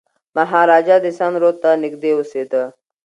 مهاراجا د سند رود ته نږدې اوسېده.